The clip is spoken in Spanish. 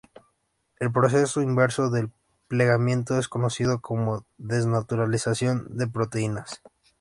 El proceso inverso del plegamiento es conocido como desnaturalización de proteínas.